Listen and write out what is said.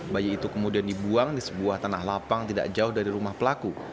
bayi itu kemudian dibuang di sebuah tanah lapang tidak jauh dari rumah pelaku